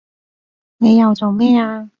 你又做咩啊